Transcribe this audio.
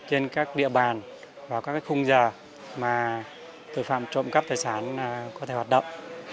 trên các địa bàn và các khung giờ mà tội phạm trộm cắp tài sản có thể hoạt động